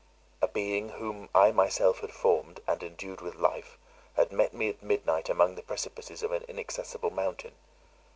A being whom I myself had formed, and endued with life, had met me at midnight among the precipices of an inaccessible mountain.